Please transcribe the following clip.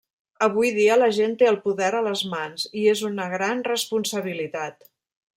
Avui dia la gent té el poder a les mans, i és una gran responsabilitat.